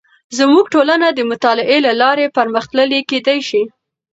زموږ ټولنه د مطالعې له لارې پرمختللې کیدې شي.